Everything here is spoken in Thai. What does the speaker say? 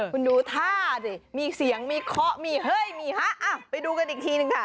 คุณดูท่าดิมีเสียงมีเคาะมีเฮ้ยมีฮะไปดูกันอีกทีหนึ่งค่ะ